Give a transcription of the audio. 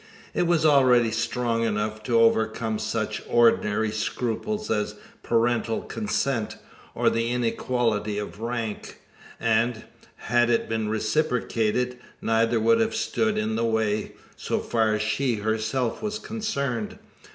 It was already strong enough to overcome such ordinary scruples as parental consent, or the inequality of rank; and, had it been reciprocated, neither would have stood in the way, so far as she herself was concerned.